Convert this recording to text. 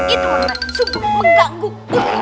gitu menurutnya subuh mengganggu